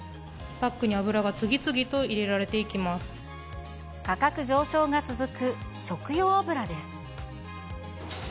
パックに油が次々と入れられ価格上昇が続く食用油です。